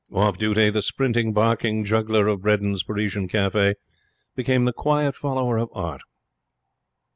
Off duty, the sprinting, barking juggler of Bredin's Parisian Cafe became the quiet follower of Art.